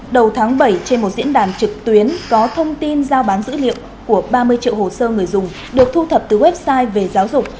đầu tháng bảy trên một diễn đàn trực tuyến có thông tin giao bán dữ liệu của ba mươi triệu hồ sơ người dùng được thu thập từ website về giáo dục